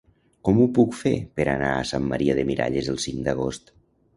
Com ho puc fer per anar a Santa Maria de Miralles el cinc d'agost?